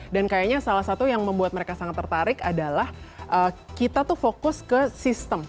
dan kayaknya salah satu yang membuat mereka sangat tertarik adalah kita tuh fokus ke sistem